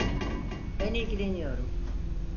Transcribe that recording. Ben ilgileniyorum.